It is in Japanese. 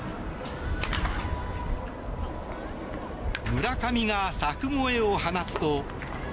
村上が柵越えを放つと。